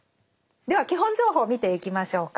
では基本情報を見ていきましょうか。